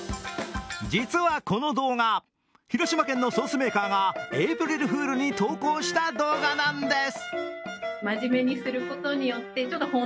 実はこの動画、広島県のソースメーカーがエイプリルフールに投稿した動画なんです。